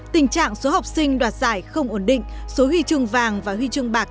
tình trạng số học sinh đoạt giải không ổn định số huy chương vàng và huy chương bạc